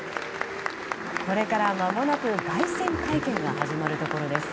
これからまもなく凱旋会見が始まるところです。